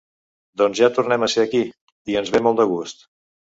Doncs ja tornem a ser aquí, i ens ve molt de gust.